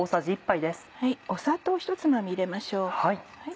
砂糖ひとつまみ入れましょう。